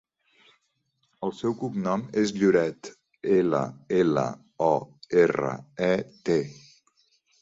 El seu cognom és Lloret: ela, ela, o, erra, e, te.